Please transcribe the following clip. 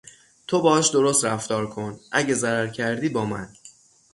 تو باهاش درست رفتار کن اگه ضرر کردی با من